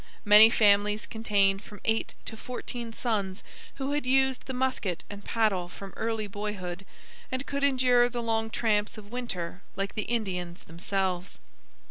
Many families contained from eight to fourteen sons who had used the musket and paddle from early boyhood, and could endure the long tramps of winter like the Indians themselves.